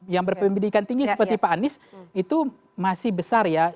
yang berpendidikan tinggi seperti pak anies itu masih besar ya